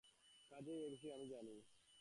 কাজেই এই বিষয় জানি না।